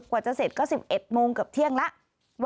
กว่าจะเสร็จก็๑๑โมงเกือบเที่ยงแล้ว